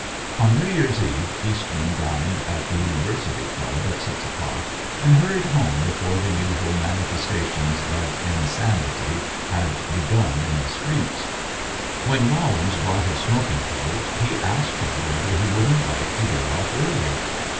On New Year's eve Eastman dined at the University Club at six o'clock and hurried home before the usual manifestations of insanity had begun in the streets. When Rollins brought his smoking coat, he asked him whether he wouldn't like to get off early.